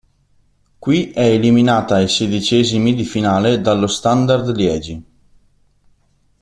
Qui è eliminata ai sedicesimi di finale dallo Standard Liegi.